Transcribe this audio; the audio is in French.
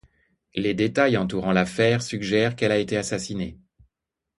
Les détails entourant l'affaire suggèrent qu'elle a été assassinée.